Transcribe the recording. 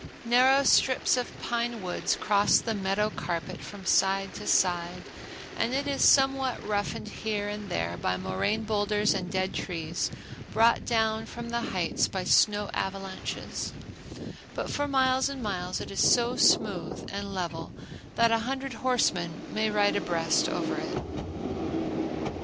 Narrow strips of pine woods cross the meadow carpet from side to side, and it is somewhat roughened here and there by moraine boulders and dead trees brought down from the heights by snow avalanches; but for miles and miles it is so smooth and level that a hundred horsemen may ride abreast over it.